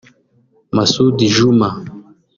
Masud Juma